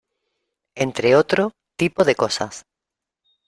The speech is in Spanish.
Entre otro tipo de cosas